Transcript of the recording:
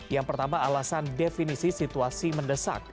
yang pertama alasan definisi situasi mendesak